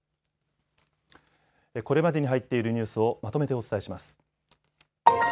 これまでに入っているニュースをまとめてお伝えします。